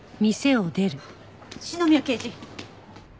篠宮刑事。